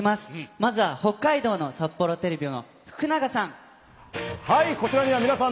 まずは北海道の札幌テレビの福永さん。